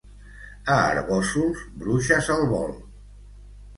A Arboçols, bruixes al vol.